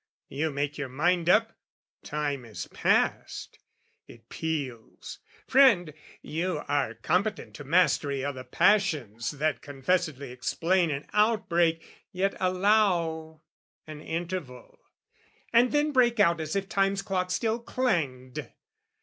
"You make your mind up: 'Time is past' it peals. "Friend, you are competent to mastery "O' the passions that confessedly explain "An outbreak, yet allow an interval, "And then break out as if time's clock still clanged.